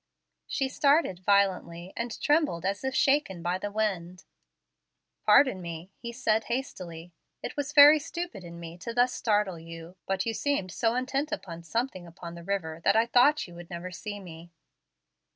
She started violently, and trembled as if shaken by the wind. "Pardon me," he said hastily. "It was very stupid in me to thus startle you, but you seemed so intent on something upon the river that I thought you would never see me."